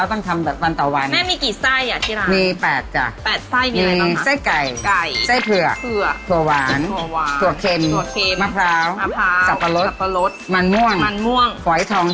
เว้ยต้องขออนุญาตไปทำไส้กับแม่แล้วเดี๋ยวพี่เอ๋รอทำแป้งที่นี่นะ